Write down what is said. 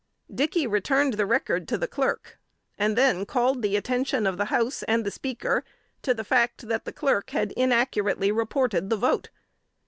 Dickey returned the record to the Clerk, and then called the attention of the House and the Speaker to the fact, that the Clerk had inaccurately reported the vote.